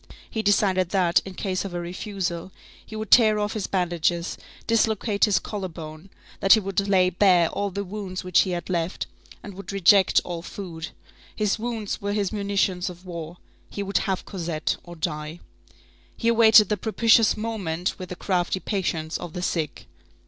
He decided that, in case of a refusal, he would tear off his bandages, dislocate his collar bone, that he would lay bare all the wounds which he had left, and would reject all food. His wounds were his munitions of war. He would have Cosette or die. He awaited the propitious moment with the crafty patience of the sick.